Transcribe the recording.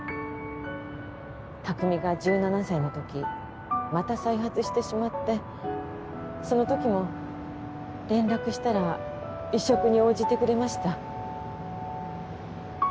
拓海が１７歳の時また再発してしまってその時も連絡したら移植に応じてくれました